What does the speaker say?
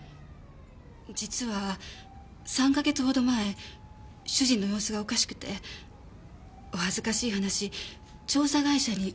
実は３か月ほど前主人の様子がおかしくてお恥ずかしい話調査会社にお願いした事が。